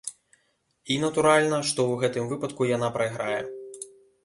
І, натуральна, што ў гэтым выпадку яна прайграе.